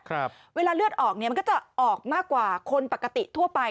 เวลาเลือดออกเนี่ยมันก็จะออกมากว่าคนปกติทั่วไป